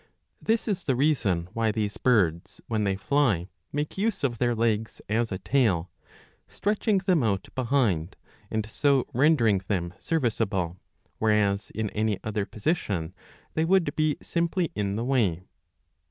This is the reason why these birds when they fly make use of their legs 694b. 134 iv. 12. as a tail, stretching them out behind, and so rendering them serviceable, whereas in any other position they would be simply in the way.